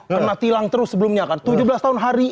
kena tilang terus sebelumnya kan tujuh belas tahun hari